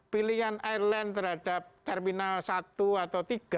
pilihan airline terhadap terminal satu atau tiga